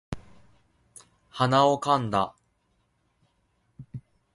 鼻をかんだ